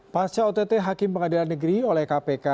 pasca ott hakim pengadilan negeri oleh kpk